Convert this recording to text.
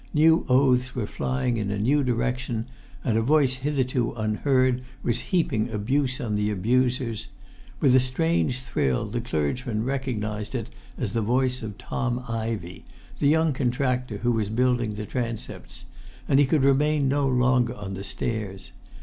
New oaths were flying in a new direction, and a voice hitherto unheard was heaping abuse on the abusers; with a strange thrill, the clergyman recognised it as the voice of Tom Ivey, the young contractor who was building the transepts; and he could remain no longer on the stairs.